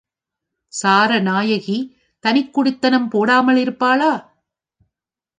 சாரநாயகி தனிக் குடித்தனம் போடாமல் இருப்பாளா?